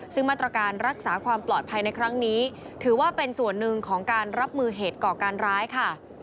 ซึ่งมาตรการรักษาความปลอดภัยในครั้งนี้ถือว่าเป็นส่วนหนึ่งของการรับมือเหตุก่อการร้ายค่ะ